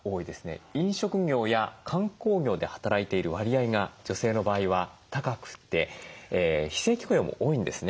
飲食業や観光業で働いている割合が女性の場合は高くて非正規雇用も多いんですね。